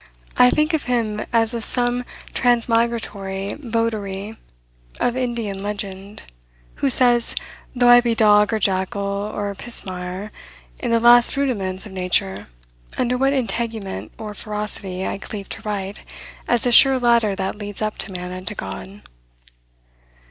I think of him as of some transmigratory votary of Indian legend, who says, "Though I be dog, or jackal, or pismire, in the last rudiments of nature, under what integument or ferocity, I cleave to right, as the sure ladder that leads up to man and to God."